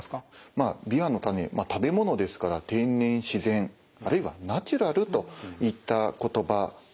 まあビワの種食べ物ですから天然自然あるいはナチュラルといった言葉でも形容されるかと思います。